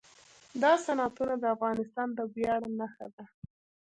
دا صنعتونه د افغانستان د ویاړ نښه ده.